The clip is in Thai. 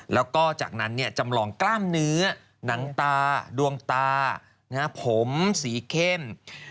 แล้วก็จากนั้นจำลองกล้ามเนื้อหนังตาดวงตาผมสีเข้ม